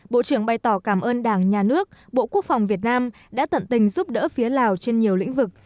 bộ trưởng bày tỏ cảm ơn đảng nhà nước bộ quốc phòng việt nam đã tận tình giúp đỡ phía lào trên nhiều lĩnh vực